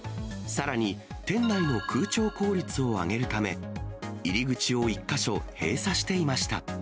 さらに、店内の空調効率を上げるため、入り口を１か所閉鎖していました。